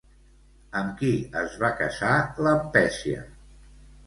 Amb qui es va casar Lampècia?